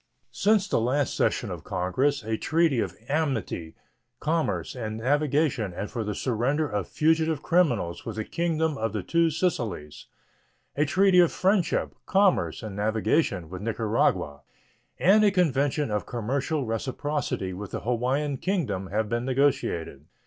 Since the last session of Congress a treaty of amity, commerce, and navigation and for the surrender of fugitive criminals with the Kingdom of the Two Sicilies; a treaty of friendship, commerce, and navigation with Nicaragua, and a convention of commercial reciprocity with the Hawaiian Kingdom have been negotiated.